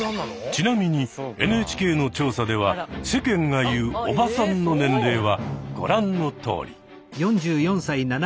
ちなみにＮＨＫの調査では世間が言う「おばさん」の年齢はご覧のとおり。